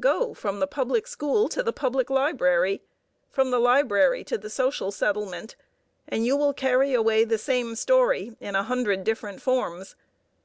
Go from the public school to the public library, from the library to the social settlement, and you will carry away the same story in a hundred different forms.